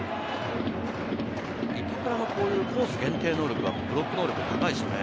板倉もコース限定能力、ブロック能力が高いですね。